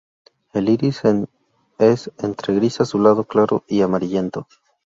El iris es entre gris azulado claro y amarillento.